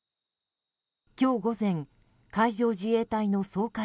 今日午前、海上自衛隊の掃海艇